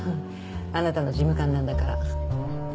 あなたの事務官なんだから。